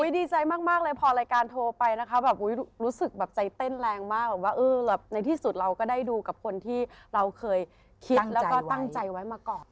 ดีใจมากเลยพอรายการโทรไปนะคะแบบรู้สึกแบบใจเต้นแรงมากแบบว่าในที่สุดเราก็ได้ดูกับคนที่เราเคยคิดแล้วก็ตั้งใจไว้มาก่อน